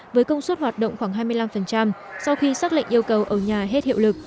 với công suất hoạt động khoảng hai mươi năm sau khi xác lệnh yêu cầu ở nhà hết hiệu lực